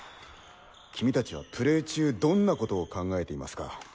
君達はプレー中どんなことを考えていますか？